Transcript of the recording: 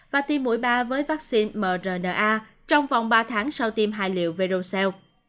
và tiêm mũi ba với vaccine mrna trong vòng ba tháng sau tiêm hai liệu verocell